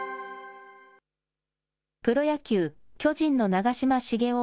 プロ野球・巨人の長嶋茂雄